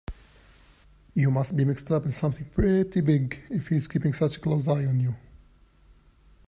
You must be mixed up in something pretty big if he's keeping such a close eye on you.